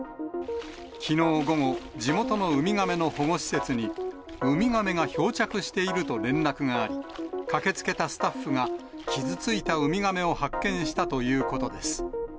きのう午後、地元のウミガメの保護施設に、ウミガメが漂着していると連絡があり、駆けつけたスタッフが、傷ついたウミガメを発見したということです。